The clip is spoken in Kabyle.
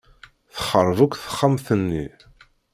Texṛeb akk texxamt-nni.